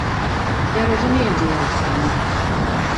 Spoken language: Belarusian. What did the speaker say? Я разумею беларускую мову!